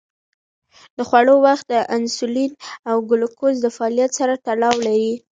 د خوړو وخت د انسولین او ګلوکوز د فعالیت سره تړاو لري.